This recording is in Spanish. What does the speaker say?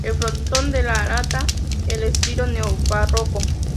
El frontón, delata el estilo neobarroco.